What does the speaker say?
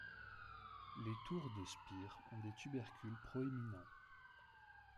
Les tours de spire ont des tubercules proéminents.